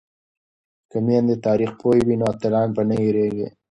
که میندې تاریخ پوهې وي نو اتلان به نه هیریږي.